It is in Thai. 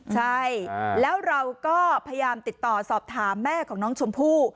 ใช่แล้วเราก็พยายามติดต่อสอบถามแม่ของน้องชมพู่